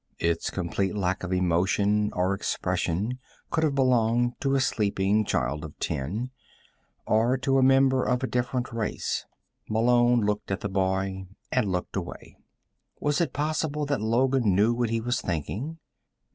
Its complete lack of emotion or expression could have belonged to a sleeping child of ten or to a member of a different race. Malone looked at the boy, and looked away. Was it possible that Logan knew what he was thinking?